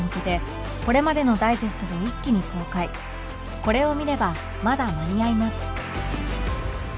これを見ればまだ間に合います